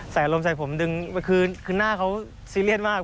อารมณ์ใส่ผมดึงคือหน้าเขาซีเรียสมาก